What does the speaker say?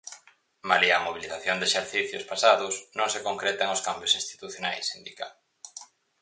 Malia a mobilización de exercicios pasados, non se concretan os cambios institucionais, indica.